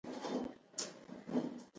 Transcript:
حکومت د ولس خدمتګار دی.